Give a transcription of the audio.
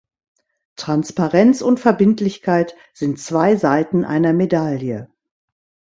Transparenz und Verbindlichkeit sind zwei Seiten einer Medaille.